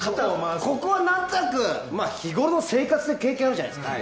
ランは何となく、日ごろの生活で経験あるじゃないですか。